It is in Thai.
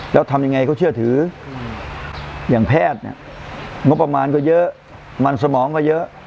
แล้วทำยังไงก็เชื่อถืออย่างแพทย์เนี่ยงบประมาณก็เยอะมันสมองก็เยอะ